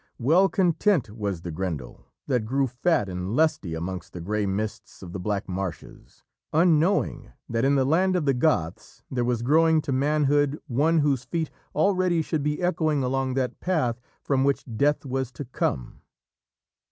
Well content was the Grendel, that grew fat and lusty amongst the grey mists of the black marshes, unknowing that in the land of the Goths there was growing to manhood one whose feet already should be echoing along that path from which Death was to come.